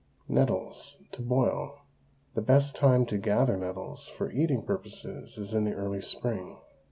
NETTLES, TO BOIL. The best time to gather nettles for eating purposes is in the early spring.